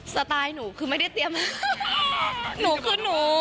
สไตล์หนูคือไม่ได้เตรียมหนูคือหนู